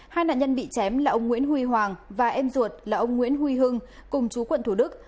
hai nạn nhân bị chém là ông nguyễn huy hoàng và em ruột là ông nguyễn huy hưng cùng chú quận thủ đức